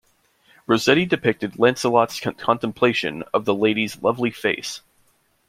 Rossetti depicted Lancelot's contemplation of the Lady's "lovely face".